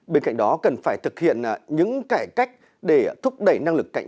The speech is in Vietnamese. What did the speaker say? bên cạnh đó cần phải thực hiện những cải cách để thúc đẩy năng lực cạnh tranh